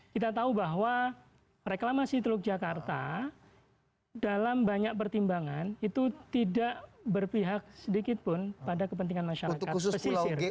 kita tahu bahwa reklamasi teluk jakarta dalam banyak pertimbangan itu tidak berpihak sedikitpun pada kepentingan masyarakat pesisir